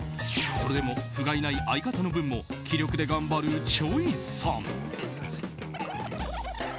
それでも不甲斐ない相方の分も気力で頑張るｃｈｏｙさん。